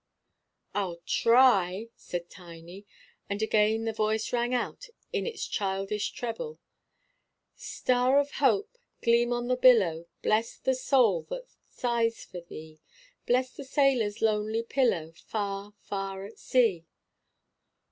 "I'll try," said Tiny; and again the voice rang out in its childish treble "Star of Hope, gleam on the billow, Bless the soul that sighs for Thee; Bless the sailor's lonely pillow, Far, far at sea."